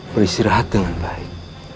beristirahat dengan baik